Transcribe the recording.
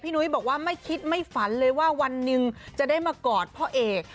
นุ้ยบอกว่าไม่คิดไม่ฝันเลยว่าวันหนึ่งจะได้มากอดพ่อเอก